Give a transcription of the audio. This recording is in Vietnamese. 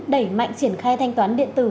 đẩy mạnh triển khai thanh toán điện tử